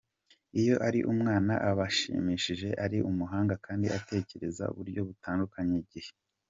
Iyo ari umwana aba ashimishije, ari umuhanga kandi atekereza mu buryo butajyanye n’igihe.